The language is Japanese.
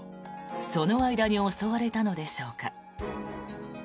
その間に襲われたのでしょうか。